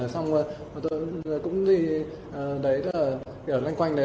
xong rồi tôi cũng đi đoạn phố lanh quanh đấy